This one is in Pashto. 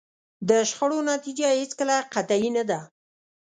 د شخړو نتیجه هېڅکله قطعي نه ده.